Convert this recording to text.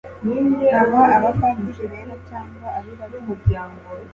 baba abapadiri bera cyangwa abirabure